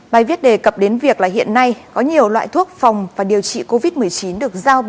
bài viết đề cập đến việc là hiện nay có nhiều loại thuốc phòng và điều trị covid một mươi chín được giao